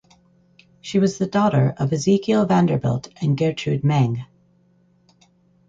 She was the daughter of Ezekiel Vanderbilt and Gertrude Meng.